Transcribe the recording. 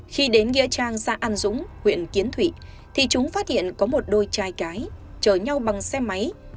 khi đến ghia trang gia an dũng huyện kiến thụy thì chúng phát hiện có một đôi trai cái chở nhau bằng xe máy